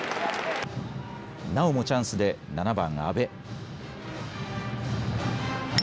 なおもチャンスで７番・安部。